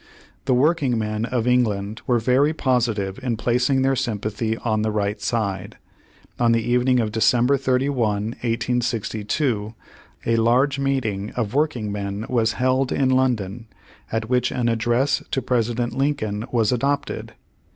The workingmen of England were very posi tive in placing their sympathy on the right side. On the evening of December 31, 1862, a large meeting of workingmen v/as held in London, at which an address to President Lincoln was adopted.